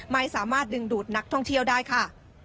ไม่สามารถดึงดูดนักท่องเที่ยวได้ค่ะ